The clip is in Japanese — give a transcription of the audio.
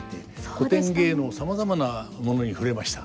古典芸能さまざまなものに触れました。